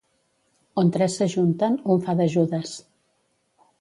On tres s'ajunten, un fa de Judes.